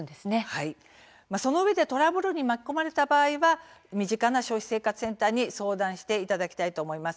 そのうえでトラブルに巻き込まれた場合は身近な消費生活センターに相談していただきたいと思います。